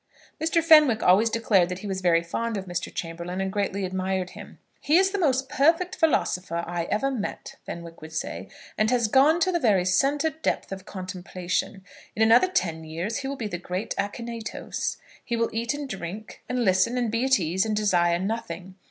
Mr. Fenwick always declared that he was very fond of Mr. Chamberlaine, and greatly admired him. "He is the most perfect philosopher I ever met," Fenwick would say, "and has gone to the very centre depth of contemplation. In another ten years he will be the great Akinetos. He will eat and drink, and listen, and be at ease, and desire nothing.